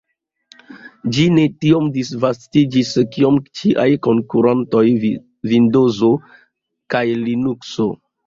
Ĝi ne tiom disvastiĝis kiom ĝiaj konkurantoj Vindozo kaj Linukso.